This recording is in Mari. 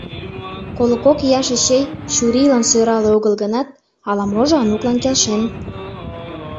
Коло кок ияш Эчей чурийлан сӧрале огыл гынат, ала-можо Ануклан келшен.